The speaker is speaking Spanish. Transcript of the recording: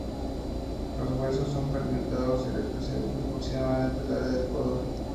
Los huesos son fragmentarios y representan aproximadamente el área del codo.